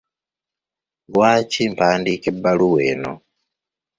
Lwaki mpandiika ebbaluwa eno?